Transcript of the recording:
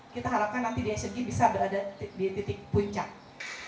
kita harapkan nanti di smg bisa berada di titik puncak